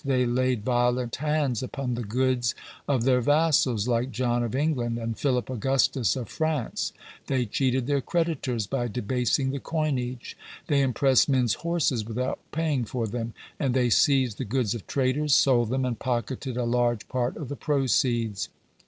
They laid violent hands upon the goods of their vassals, like John of England and Philip Augustus of France ; they cheated their creditors by debasing the coinage ; they impressed men's horses without paying for them ; and they seized the goods of traders, sold them, and pocketed a large part of the proceeds.